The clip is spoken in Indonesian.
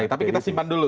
tapi kita simpan dulu